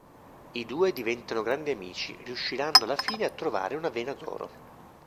I due, diventati grandi amici, riusciranno alla fine a trovare una vena d'oro.